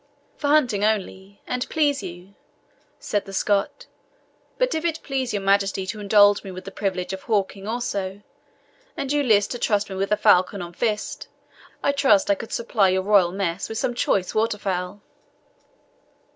"For hunting only, and please you," said the Scot. "But if it please your Majesty to indulge me with the privilege of hawking also, and you list to trust me with a falcon on fist, I trust I could supply your royal mess with some choice waterfowl."